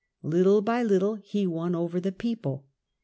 Little by little he won over the people.